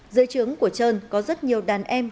giới chứng của trơn có rất nhiều đàn em